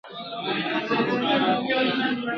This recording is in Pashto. خدای به یې کله عرضونه واوري ..